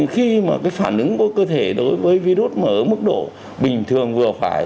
khi mà cái phản ứng của cơ thể đối với virus mở mức độ bình thường vừa phải